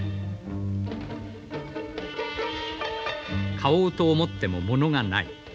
「買おうと思っても物がない。